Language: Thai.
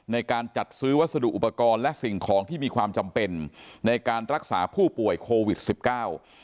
ในการจัดซื้อวัสดุอุปกรณ์และสิ่งของที่มีความจำเป็นในการรักษาผู้ป่วยโควิดสิบเก้า